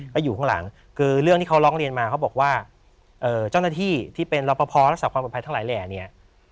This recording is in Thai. ก็อยู่ข้างหลังคือเรื่องที่เขาร้องเรียนมาเขาบอกว่าเจ้าหน้าที่ที่เป็นรอปภรักษาความปลอดภัยทั้งหลายแหล่เนี่ย